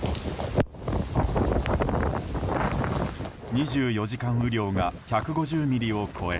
２４時間雨量が１５０ミリを超え